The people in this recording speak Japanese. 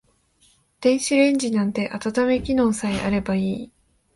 電子レンジなんて温め機能さえあればいい